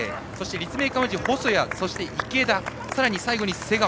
立命館宇治が細谷そして池田、さらに最後に瀬川。